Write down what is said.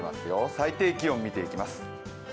最低気温、見ていきます。